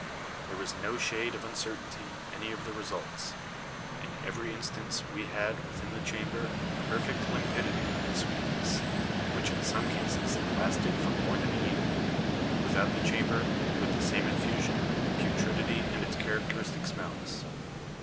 There was no shade of uncer tainty in any of the results. In every instance we had, within the chamber, perfect limpidity and sweetness, which in some cases lasted for more than a year — without the THE ORIGIN OF LIFE 53 chamber, with the same infusion, putridity and its char acteristic smells.